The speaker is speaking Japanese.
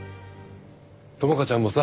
朋香ちゃんもさ